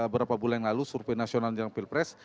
berapa bulan yang lalu survei nasional di dalam pilpres